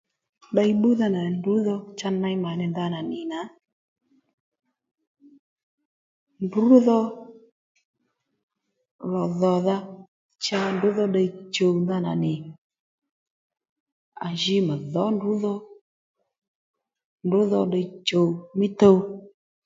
Ddey bbúdha nà ndrǔdho cha ney mà nì ndanà nì nà ndrǔ dho lò dhòdha cha ndrǔ dho ddiy chùw ndanà nì à ji mà dhǒ ndrǔ dho ndrǔ dho ddiy chùw mí tuw